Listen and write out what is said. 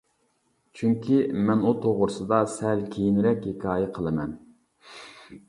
چۈنكى مەن ئۇ توغرىسىدا سەل كېيىنرەك ھېكايە قىلىمەن.